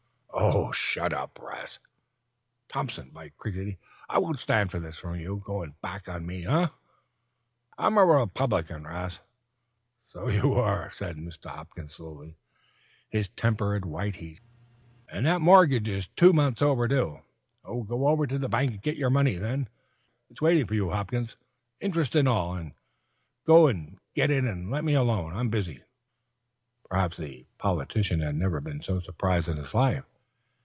"Oh, shut up, 'Rast." "Thompson! By crickey, I won't stand this from you. Goin' back on me, eh?" "I'm a Republication, 'Rast." "So you are," said Mr. Hopkins slowly, his temper at white heat "And that mortgage is two months overdue." "Go over to the bank and get your money, then. It's waiting for you, Hopkins interest and all. Go and get it and let me alone. I'm busy." Perhaps the politician had never been so surprised in his life.